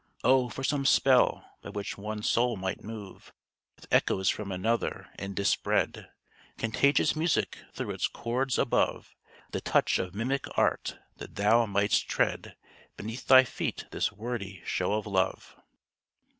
Oh! for some spell, by which one soul might move With echoes from another, and dispread Contagious music through its chords, above The touch of mimic art: that thou might'st tread Beneath thy feet this wordy show of love!